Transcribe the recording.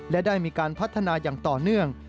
และได้มีการพัฒนาอย่างต่อเนื่อง